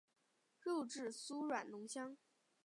肉质酥软浓香。